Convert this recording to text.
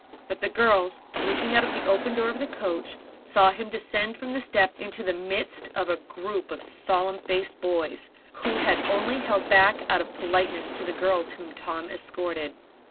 But the girls, looking out of the open door of the coach, saw him descend from the step into the midst of a group of solemn faced boys who had only held back out of politeness to the girls whom Tom escorted.